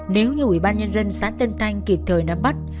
nếu như ủy ban nhân dân xã tân thanh kịp thời nắm bắt